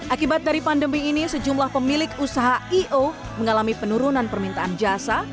akibat dari pandemi ini sejumlah pemilik usaha i o mengalami penurunan permintaan jasa